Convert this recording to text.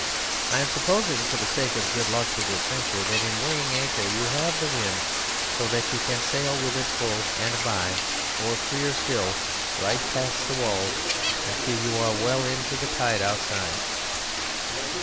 I am supposing, for the sake of good luck to this venture, that in weighing anchor you have the wind so that you can sail with it full and by, or freer still, right past the walls until you are well into the tide outside.